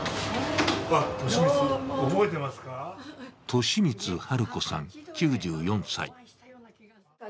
利光はる子さん、９４歳。